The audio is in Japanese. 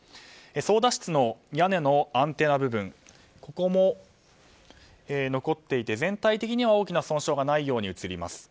操舵室の屋根のアンテナ部分ここも残っていて全体的には大きな損傷がないように写ります。